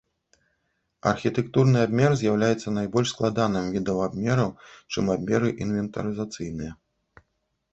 Архітэктурны абмер з'яўляецца найбольш складаным відам абмераў, чым абмеры інвентарызацыйныя.